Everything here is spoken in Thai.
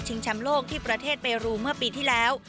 แชมป์โลกที่ประเทศเปรูเมื่อปีที่แล้ว